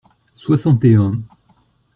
Soixante et un.